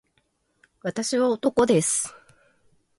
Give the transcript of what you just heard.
私は男です